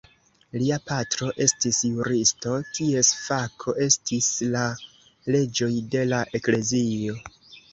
Lia patro estis juristo kies fako estis la leĝoj de la eklezio.